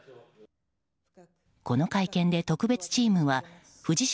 この会見で特別チームは藤島